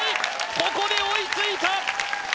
ここで追いついた・